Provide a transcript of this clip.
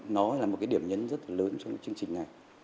nó là một cái điểm nhấn rất là lớn trong cái chương trình này